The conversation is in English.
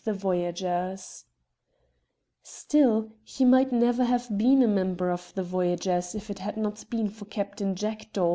THE VOYAGERS li Still he might never have been a member of the Voyagers if it had not been for Captain Jackdaw.